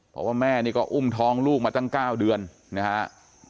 เพราะว่าแม่นี่ก็อุ้มท้องลูกมาตั้ง๙เดือนนะครับ